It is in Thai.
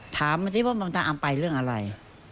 ถามสิว่ามันถามเอาไปเรื่องอะไร